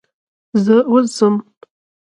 زه اوس ځم .